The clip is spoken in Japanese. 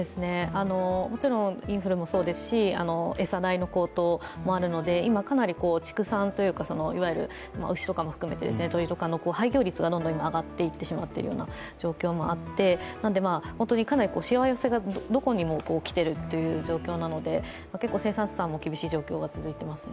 もちろんインフルもそうですし餌代の高騰もあるので今、かなり畜産というか牛とかも含めて、鶏とかの廃業率がどんどん上がっていってしまっているような状況があってかなりしわ寄せがどこにも来ているという状況なので生産者さんも厳しい状況が続いていますね。